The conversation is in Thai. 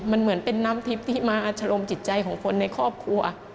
มันเหมือนเป็นน้ำทิพย์ที่มาอัดลมจิตใจของคนในครอบครัว